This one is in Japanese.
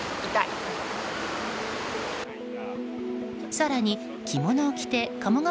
更に、着物を着て鴨川